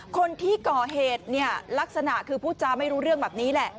คนที่ก่อเหตุเนี่ยลักษณะคือพูดจาไม่รู้เรื่องแบบนี้แหละ